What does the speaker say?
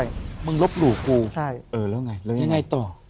บ๊วยบ๊วยมึงลบหลู่กูแล้วไงต่อใช่